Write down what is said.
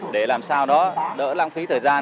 để làm sao đó đỡ lãng phí thời gian